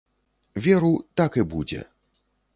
Веру, так і будзе.